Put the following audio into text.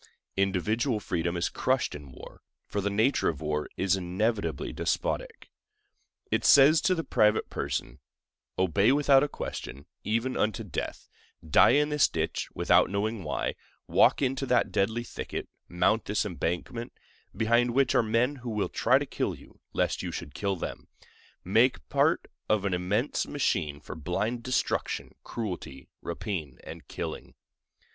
Individual freedom is crushed in war, for the nature of war is inevitably despotic. It says to the private person: "Obey without a question, even unto death; die in this ditch, without knowing why; walk into that deadly thicket; mount this embankment, behind which are men who will try to kill you, lest you should kill them; make part of an immense machine for blind destruction, cruelty, rapine, and killing."